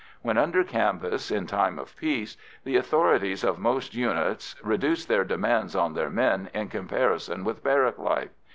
When under canvas in time of peace, the authorities of most units reduce their demands on their men in comparison with barrack life.